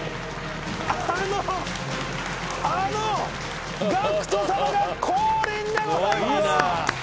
あのあのＧＡＣＫＴさまが降臨でございます